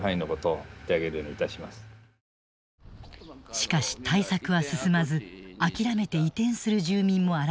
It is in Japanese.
しかし対策は進まず諦めて移転する住民も現れた。